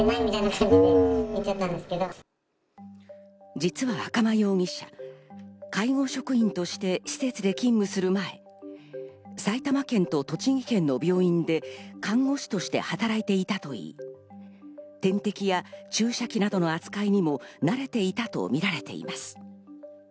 実は赤間容疑者、介護職員として施設で勤務する前、埼玉県と栃木県の病院で看護師として働いていたといい、点滴や注射器などの扱いにも慣れていたとみられています。